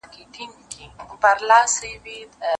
ما ورکتل چي د مرګي پياله یې ونوشله